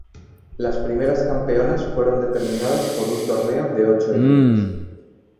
Las primeras campeonas fueron determinadas por un torneo de ocho equipos.